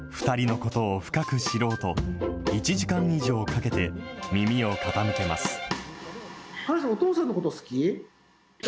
２人のことを深く知ろうと、１時間以上かけて耳を傾けます。